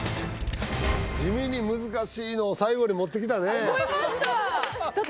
地味に難しいのを最後に持ってきたね思いました！